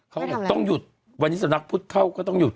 เขาบอกต้องหยุดวันนี้สำนักพุทธเข้าก็ต้องหยุด